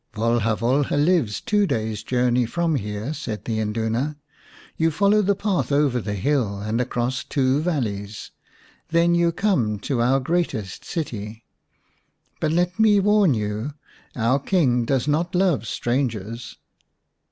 "Volha Volha lives two days' journey from here," said the Induna. " You follow the path over the hill and across two valleys. Then you come to our greatest city. But let me warn you ; our King does not love strangers."